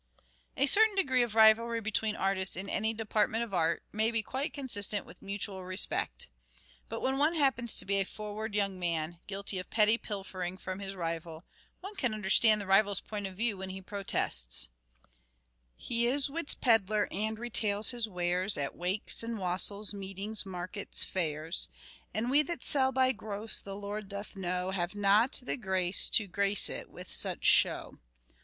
A certain degree of rivalry between artists, in any department of art, may be quite consistent with mutual respect. But when one happens to be "a forward young man " guilty of petty pilfering from his rival, one can understand the rival's point of view when he protests :—" He is wit's pedlar, and retails his wares At wakes and wassails, meetings, markets, fairs, And we that sell by gross, the Lord doth know Have not the grace to grace it with such show."